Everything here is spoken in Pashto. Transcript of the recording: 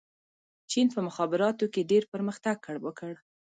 چین په مخابراتو کې ډېر پرمختګ وکړ.